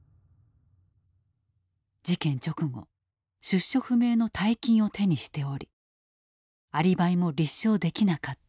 事件直後出所不明の大金を手にしておりアリバイも立証できなかった。